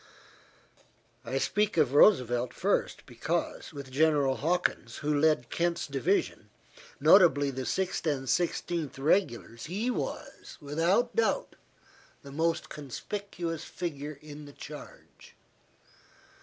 I speak of Roosevelt first because, with General Hawkins, who led Kent's division, notably the Sixth and Sixteenth Regulars, he was, without doubt, the most conspicuous figure in the charge.